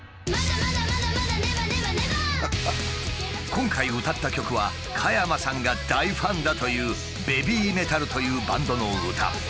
今回歌った曲は加山さんが大ファンだというＢＡＢＹＭＥＴＡＬというバンドの歌。